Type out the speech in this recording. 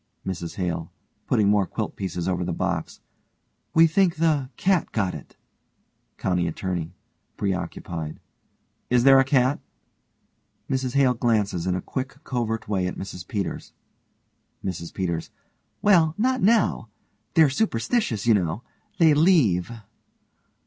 MRS HALE: (putting more quilt pieces over the box) We think the cat got it. COUNTY ATTORNEY: (preoccupied) Is there a cat? (MRS HALE glances in a quick covert way at MRS PETERS.) MRS PETERS: Well, not now. They're superstitious, you know. They leave.